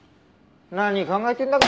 何考えてるんだか。